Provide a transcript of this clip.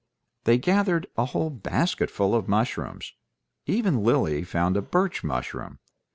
They gathered a whole basketful of mushrooms; even Lily found a birch mushroom.